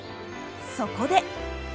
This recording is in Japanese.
そこで！